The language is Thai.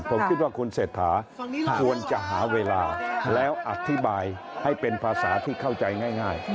ผมคิดว่าคุณเศรษฐาควรจะหาเวลาแล้วอธิบายให้เป็นภาษาที่เข้าใจง่าย